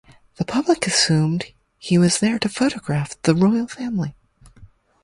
The public assumed he was there to photograph the royal family.